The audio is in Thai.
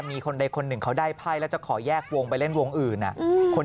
มีคนใดคนหนึ่งเขาได้ไพ่แล้วจะขอแยกวงไปเล่นวงอื่น